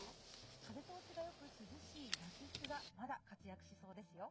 風通しがよく、涼しい夏服がまだ活躍しそうですよ。